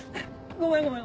ごめんごめん。